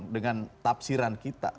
dengan tafsiran kita